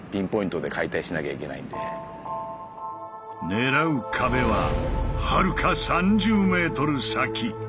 狙う壁ははるか３０ｍ先。